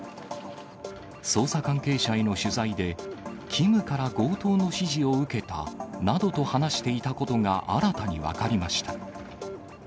捜査関係者への取材で、キムから強盗の指示を受けたなどと話していたことが新たに分かりました。